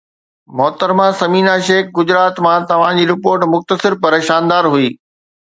محترمه ثمينه شيخ گجرات مان توهان جي رپورٽ مختصر پر شاندار هئي